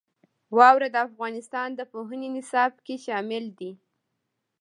واوره د افغانستان د پوهنې نصاب کې شامل دي.